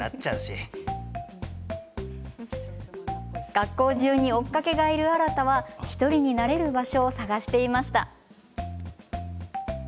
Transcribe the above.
学校中に追っかけがいる新汰は１人になれる場所を探していました。